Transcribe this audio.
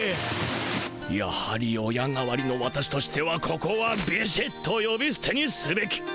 やはり親代わりの私としてはここはビシッとよびすてにすべき。